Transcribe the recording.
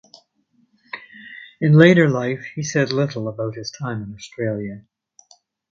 In later life he said little about his time in Australia.